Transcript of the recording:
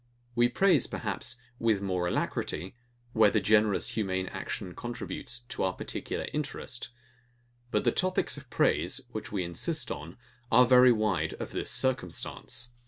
We praise, perhaps, with more alacrity, where the generous humane action contributes to our particular interest: But the topics of praise, which we insist on, are very wide of this circumstance.